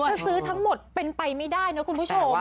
คือซื้อทั้งหมดเป็นไปไม่ได้นะคุณผู้ชม